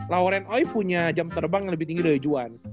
lauren ooi punya jam terbang yang lebih tinggi dari juan